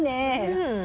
うん。